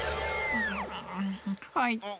はい。